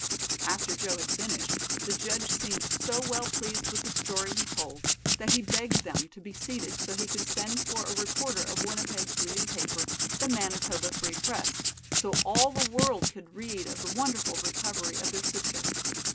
After Joe had finished, the judge seemed so well pleased with the story he told, that he begged them to be seated so he could send for a reporter of Winnipeg's leading paper, "The Manitoba Free Press", so all the world could read of the wonderful recovery of their sister.